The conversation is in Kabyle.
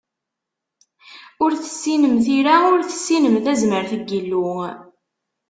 Ur tessinem tira, ur tessinem tazmert n Yillu.